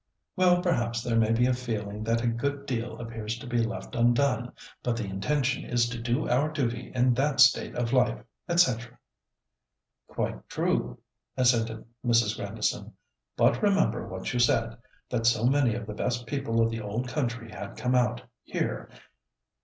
"Well, perhaps there may be a feeling that a good deal appears to be left undone; but the intention is to do our duty in that state of life, &c." "Quite true," assented Mrs. Grandison; "but remember what you said, that so many of the best people of the old country had come out here.